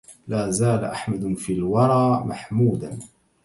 لا زال أحمد في الورى محمودا